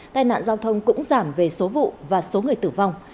tai nạn giao thông cũng giảm về số vụ và số người tử vong